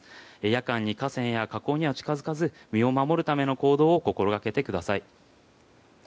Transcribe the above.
夜間に河川や河口には近づかず身を守る行動を心がけてください。